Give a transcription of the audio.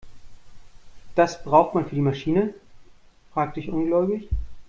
Das braucht man für die Maschine?, fragte ich ungläubig.